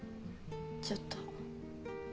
ちょっと。